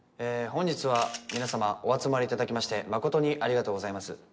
本日は皆さまお集まりいただきまして誠にありがとうございます